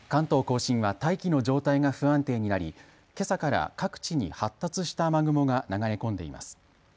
甲信は大気の状態が不安定になり、けさから各地に発達した雨雲が流れ込んでいます。